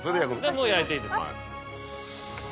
もう焼いていいです。